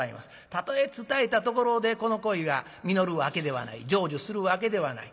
たとえ伝えたところでこの恋が実るわけではない成就するわけではない。